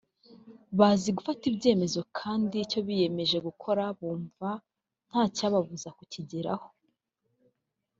bazi gufata ibyemezo kandi icyo biyemeje gukora bumva ntacyaqbabuza kukigeraho